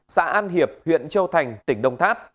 xã an hiệp huyện châu thành tỉnh đồng tháp